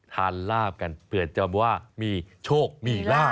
ลาบกันเผื่อจำว่ามีโชคมีลาบ